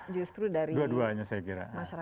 justru dari masyarakatnya sendiri